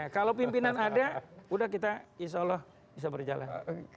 kalau pimpinan ada udah kita insya allah bisa berjalan